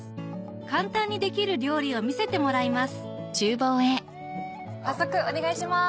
簡単にできる料理を見せてもらいます早速お願いします。